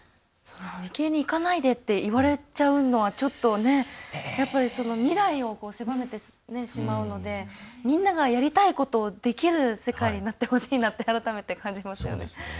理系に行かないでって言われちゃうのはちょっとやっぱり未来を狭めてしまうのでみんながやりたいことをできる世界になってほしいなと改めて感じますよね。